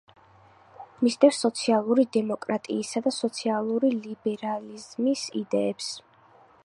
მისდევს სოციალური დემოკრატიისა და სოციალური ლიბერალიზმის იდეებს.